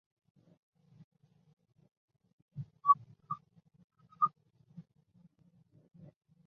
康熙二十九年庚午科乡试解元。